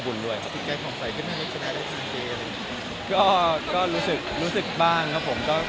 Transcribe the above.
มันก็รู้สึกบ้างครับผม